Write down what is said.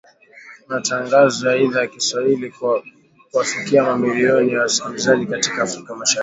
Matangazo ya Idhaa ya Kiswahili huwafikia mamilioni ya wasikilizaji katika Afrika Mashariki